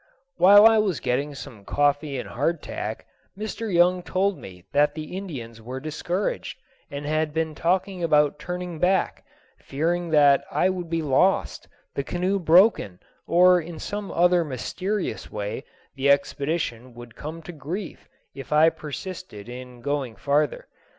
While I was getting some coffee and hardtack, Mr. Young told me that the Indians were discouraged, and had been talking about turning back, fearing that I would be lost, the canoe broken, or in some other mysterious way the expedition would come to grief if I persisted in going farther.